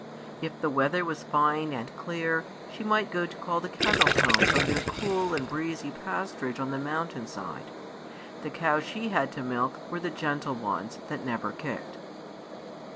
If the weather was fine and clear, she might go to call the cattle home from their cool and breezy pasturage on the mountain side. The cows she had to milk were the gentle ones, that never kicked.